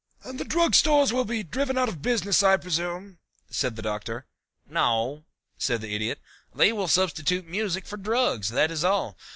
"And the Drug Stores will be driven out of business, I presume," said the Doctor. "No," said the Idiot. "They will substitute music for drugs, that is all.